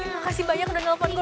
makasih banyak udah nelfon gue